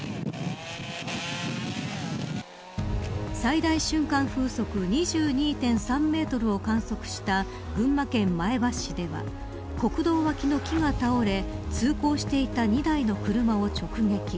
最大瞬間風速２２．３メートルを観測した群馬県前橋市では国道脇の木が倒れ通行していた２台の車を直撃。